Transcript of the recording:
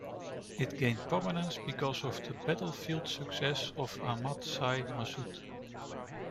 It gained prominence because of the battlefield success of Ahmad Shah Massoud.